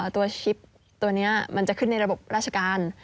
ตัวชิปตรงนี้จะขึ้นในระบบราชการ